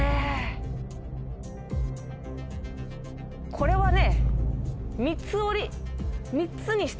これはね。